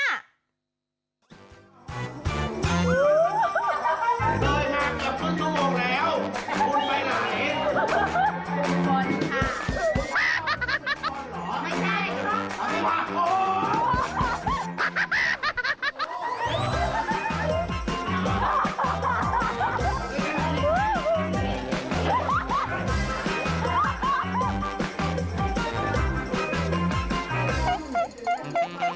อย่าให้ฟัง